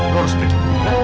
lo harus pergi